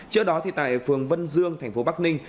trước đó tại phường vân dương thành phố bắc ninh